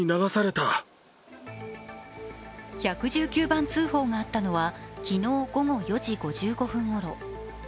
１１９番通報があったのは、昨日午後４時５５分ごろ。